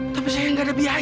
tapi saya nggak ada biaya